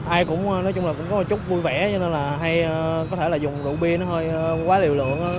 ai cũng nói chung là cũng có một chút vui vẻ cho nên là hay có thể là dùng rượu bia nó hơi quá liều lượng